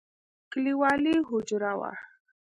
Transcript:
کليوالي حجره وه.